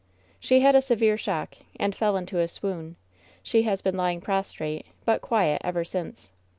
"She had a severe shock, and fell into a swoon. She has been lying prostrate, but quiet, ever since.